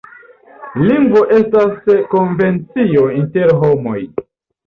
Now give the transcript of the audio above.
Lingvo estas konvencio inter homoj.